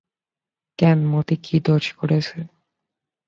কেন, মতি কী দোষ করেছে?